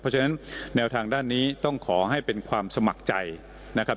เพราะฉะนั้นแนวทางด้านนี้ต้องขอให้เป็นความสมัครใจนะครับ